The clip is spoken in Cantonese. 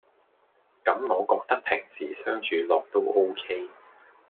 咁我覺得平時相處落都 ok